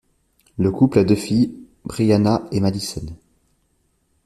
Le couple a deux filles, Bryanna et Madison.